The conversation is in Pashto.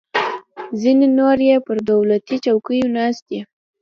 ځینې نور یې پر دولتي چوکیو ناست دي.